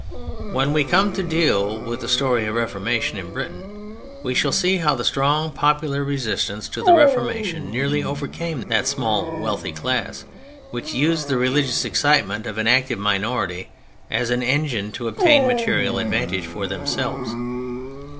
When we come to deal with the story of the Reformation in Britain, we shall see how the strong popular resistance to the Reformation nearly overcame that small wealthy class which used the religious excitement of an active minority as an engine to obtain material advantage for themselves.